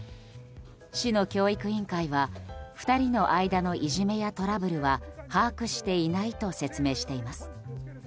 市の教育委員会は２人の間のいじめやトラブルは把握していないと説明しています。